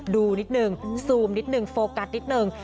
ดูนิดนึงซูมนิดนึงโฟกัสนิดนึง